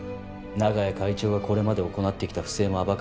長屋会長がこれまで行ってきた不正も暴かれた。